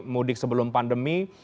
mudik sebelum pandemi